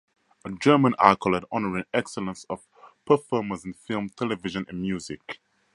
A German accolade honoring excellence of performers in film, television and music.